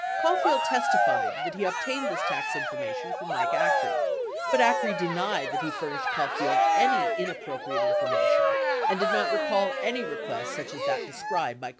Caulfield testified that he obtained this tax information from Mike Acree, 49 but Acree denied that he furnished Caulfield any inappropriate information and did not recall any request such as that described by Caulfield.